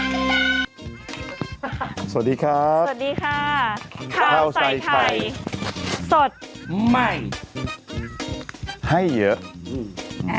สวัสดีครับสวัสดีค่ะข้าวใส่ไข่สดใหม่ให้เยอะอืม